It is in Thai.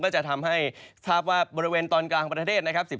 จะทำให้ทราบว่าบริเวณตอนกลางของประเทศนะครับ